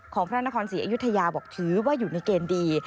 พระนครศรีอยุธยาบอกถือว่าอยู่ในเกณฑ์ดี